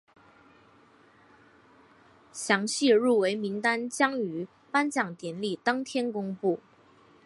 详细入围名单将于颁奖典礼当天公布。